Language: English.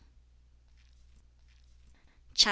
CHAP.